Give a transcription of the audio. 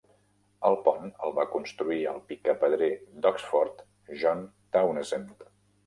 El pont el va construir el picapedrer d'Oxford John Townesend.